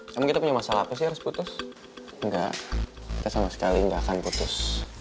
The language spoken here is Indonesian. kamu punya masalah apa sih harus putus enggak sama sekali nggak akan putus